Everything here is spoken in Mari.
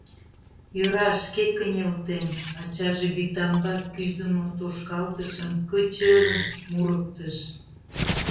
— Йӧра, шке кынелтем, — ачаже вӱтамбак кӱзымӧ тошкалтышым кычыр-р мурыктыш.